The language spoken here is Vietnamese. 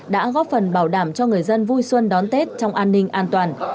đã góp phần bảo đảm cho người dân vui xuân đón tết trong an ninh an toàn